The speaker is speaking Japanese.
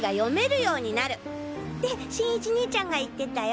新一兄ちゃんが言ってたよ。